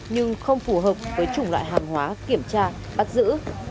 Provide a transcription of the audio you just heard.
nhưng không phù hợp với chủng loại hàng hóa kiểm tra bắt giữ